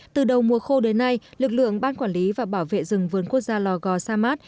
từ đầu mùa khô đến nay lực lượng ban quản lý và bảo vệ rừng vườn quốc gia lò gò sa mát